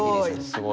すごい。